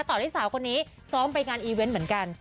ต่อที่สาวคนนี้ซ้อมไปงานอีเวนต์เหมือนกัน